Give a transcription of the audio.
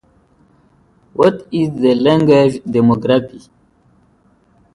Avangard is the nearest rural locality.